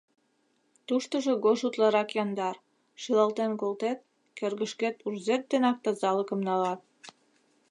Туштыжо гож утларак яндар, шӱлалтен колтет — кӧргышкет урзет денак тазалыкым налат.